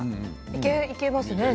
いけますね。